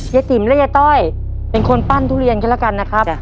ติ๋มและยายต้อยเป็นคนปั้นทุเรียนกันแล้วกันนะครับ